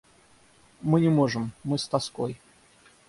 Мы не можем, мы с тоской.